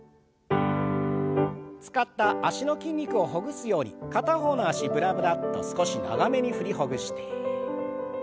使った脚の筋肉をほぐすように片方の脚ぶらぶらっと少し長めに振りほぐして。